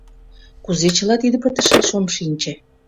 Кузе чыла тиде пытышаш, ом шинче!